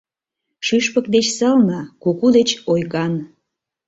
Шӱшпык деч сылне, куку деч ойган